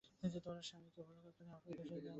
স্বামীকে উপলক্ষ করে আপনাকে সে দান করছে তার দেবতাকে।